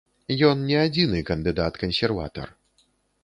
Ён не адзіны кандыдат-кансерватар.